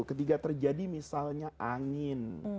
ketika terjadi misalnya angin